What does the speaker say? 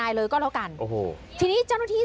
สุดทนแล้วกับเพื่อนบ้านรายนี้ที่อยู่ข้างกัน